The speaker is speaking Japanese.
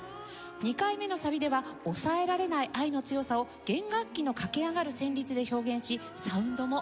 ２回目のサビでは抑えられない愛の強さを弦楽器の駆け上がる旋律で表現しサウンドも厚くしました。